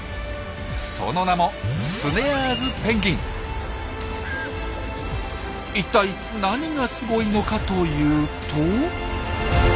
その名もいったい何がすごいのかというと。